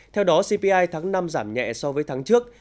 theo đó cpi tháng năm giảm nhẹ so với tháng trước